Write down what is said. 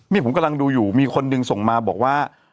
นี่ผมกำลังดูอยู่มีคนหนึ่งส่งมาบอกว่า